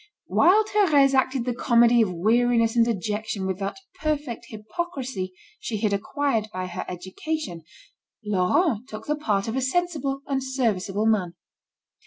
While Thérèse acted the comedy of weariness and dejection with that perfect hypocrisy she had acquired by her education, Laurent took the part of a sensible and serviceable man.